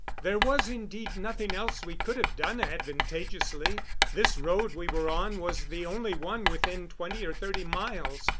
There was, indeed, nothing else we could have done advantageously. This road we were on was the only one within twenty or thirty miles.